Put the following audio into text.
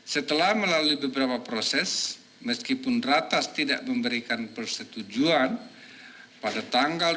setelah melalui beberapa proses meskipun ratas tidak memberikan persetujuan pada tanggal dua belas dua dua ribu empat